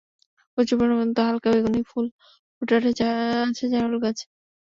কচুরিপানার মতো হালকা বেগুনি ফুল ফুটে আছে জারুল গাছে।